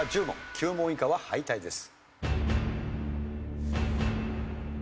９問以下は敗退です。